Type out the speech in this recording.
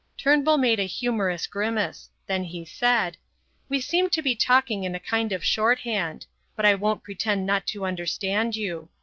Turnbull made a humorous grimace; then he said: "We seem to be talking in a kind of shorthand; but I won't pretend not to understand you.